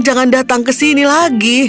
jangan datang ke sini lagi